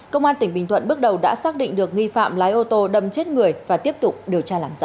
công an tỉnh bình thuận bước đầu đã xác định được nghi phạm lái ô tô đâm chết người và tiếp tục điều tra làm rõ